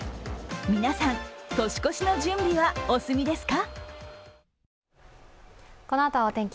皆さん、年越しの準備はお済みですか？